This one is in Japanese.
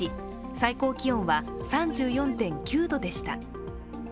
最高気温は３４．９度でした。